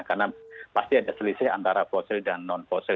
karena pasti ada selisih antara fosil dan non fosil